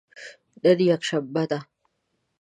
نن یکشنبه ده